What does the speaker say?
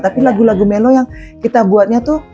tapi lagu lagu melo yang kita buatnya tuh